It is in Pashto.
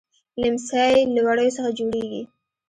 ليمڅی له وړيو څخه جوړيږي.